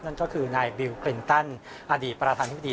นั่นก็คือนายบิลคลินตันอดีตประธานธิบดี